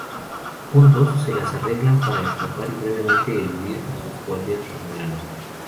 Juntos, se las arreglan para escapar y brevemente eludir a sus guardias romulanos.